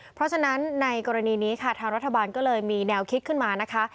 เพราะฉะนั้นในกรณีนี้ค่ะทางรัฐบาลก็เลยมีแนวคิดขึ้นมานะคะ